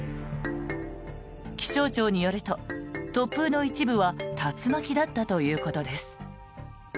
気象庁によると突風の一部は竜巻だったということです。